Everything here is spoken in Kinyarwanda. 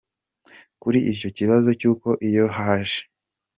Kuri icyo kibazo cy’uko iyo haje